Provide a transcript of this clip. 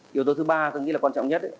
yếu tố thứ ba tôi nghĩ là quan trọng nhất